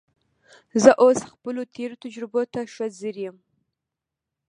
زه اوس خپلو تېرو تجربو ته ښه ځیر یم